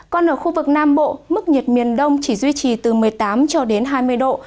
còn ở khu vực nam bộ mức nhiệt miền đông chỉ duy trì từ một mươi tám cho đến hai mươi độ